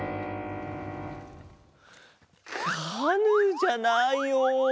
カヌーじゃないよ。